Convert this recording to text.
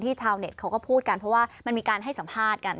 ชาวเน็ตเขาก็พูดกันเพราะว่ามันมีการให้สัมภาษณ์กัน